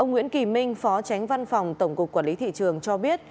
nguyễn kỳ minh phó tránh văn phòng tổng cục quản lý thị trường cho biết